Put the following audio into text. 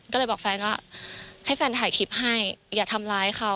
ก็เลยบอกแฟนว่าให้แฟนถ่ายคลิปให้อย่าทำร้ายเขา